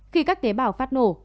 khi các tế bảo phát nổ